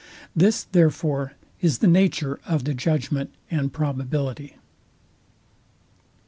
This therefore is the nature of the judgment and probability.